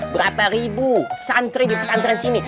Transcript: berapa ribu santri di pesantren sini